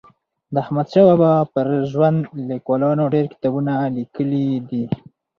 د احمدشاه بابا پر ژوند لیکوالانو ډېر کتابونه لیکلي دي.